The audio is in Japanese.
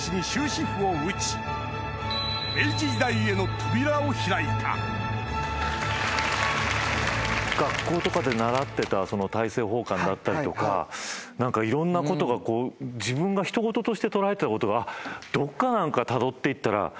江戸幕府を開いた学校とかで習ってた大政奉還だったりとかいろんなことが自分がひとごととして捉えてたことがどっか何かたどって行ったら。